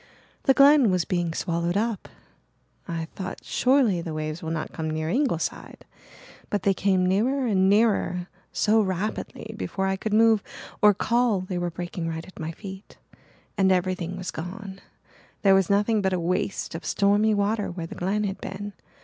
The Glen was being swallowed up. I thought, 'Surely the waves will not come near Ingleside' but they came nearer and nearer so rapidly before I could move or call they were breaking right at my feet and everything was gone there was nothing but a waste of stormy water where the Glen had been.